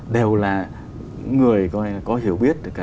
đều là người có hiểu biết